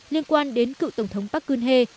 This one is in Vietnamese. liên quan đến cựu tổng thống park geun hye